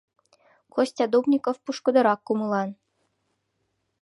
Костя Дубников пушкыдырак кумылан.